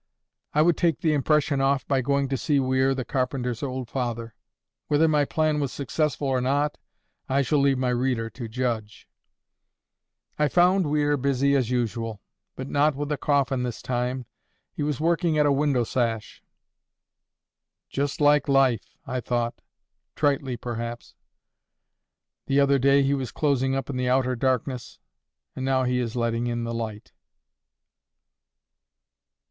I would take the impression off by going to see Weir the carpenter's old father. Whether my plan was successful or not, I shall leave my reader to judge. I found Weir busy as usual, but not with a coffin this time. He was working at a window sash. "Just like life," I thought—tritely perhaps. "The other day he was closing up in the outer darkness, and now he is letting in the light."